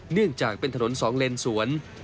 เนื่องจากเป็นถนนสองเลนสวน